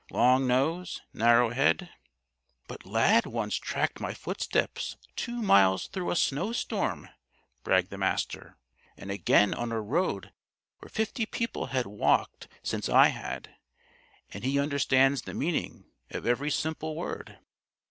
Long nose, narrow head " "But Lad once tracked my footsteps two miles through a snowstorm," bragged the Master; "and again on a road where fifty people had walked since I had; and he understands the meaning of every simple word.